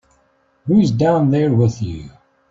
Who's down there with you?